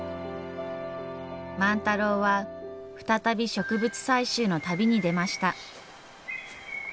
万太郎は再び植物採集の旅に出ました。